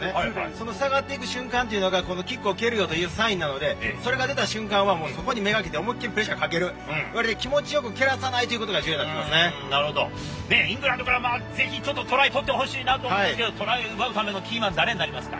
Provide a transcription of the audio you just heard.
その下がっていく瞬間っていうのが、キックを蹴るよというサインなので、それが出た瞬間はもうそこに目がけて、思いっ切りプレッシャーかける、やはり気持ちよく蹴らさないといなるほど、イングランドからぜひちょっとトライ取ってほしいなと思うんですけど、トライを取るためのキーマン、誰になりますか。